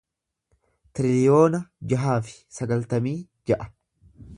tiriliyoona jaha fi sagaltamii ja'a